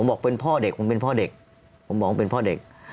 ผมบอกเป็นพ่อเด็กผมเป็นพ่อเด็ก